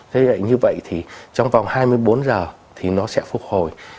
thế lại như vậy thì trong vòng hai mươi bốn giờ thì nó sẽ phục hồi